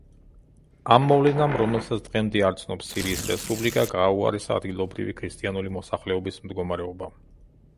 ამ მოვლენამ, რომელსაც დღემდე არ ცნობს სირიის რესპუბლიკა, გააუარესა ადგილობრივი ქრისტიანული მოსახლეობის მდგომარეობა.